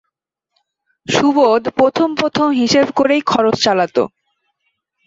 সুবোধ প্রথম-প্রথম হিসেব করেই খরচ চালাত।